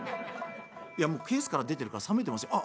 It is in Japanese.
「いやもうケースから出てるから冷めてますよ」。